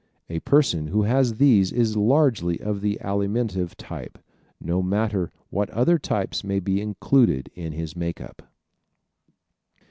A person who has these is largely of the Alimentive type, no matter what other types may be included in his makeup.